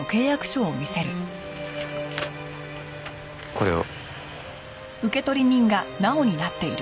これを。